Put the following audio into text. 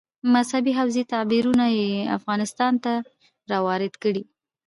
مذهبي حوزې تعبیرونه یې افغانستان ته راوارد کړي.